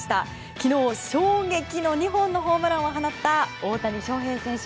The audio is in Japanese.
昨日衝撃の２本のホームランを放った、大谷翔平選手。